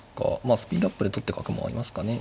あスピードアップで取って角もありますかね。